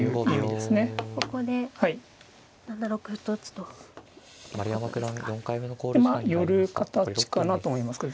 でまあ寄る形かなと思いますけど。